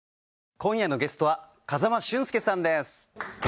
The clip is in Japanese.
今夜のゲストは風間俊介さんです。